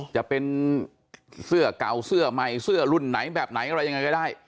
จะเป็นเสื้อเก่าเสื้อใหม่เสื้อรุ่นไหนแบบไหนอะไรยังไงก็ได้